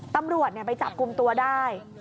ตำรวจไปจับกลุ่มตัวได้